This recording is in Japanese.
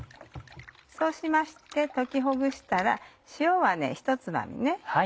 そうしまして溶きほぐしたら塩はひとつまみね。